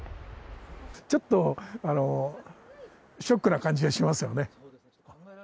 ちょっとショックな感じはしますよね。